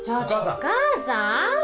お母さん。